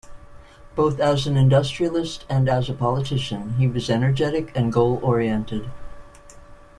Both as an industrialist and as a politician he was energetic and goal-oriented.